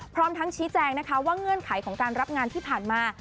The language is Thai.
พร้อมทั้งชี้แจงนะคะว่าเงื่อนไขของการรับงานที่ผ่านมา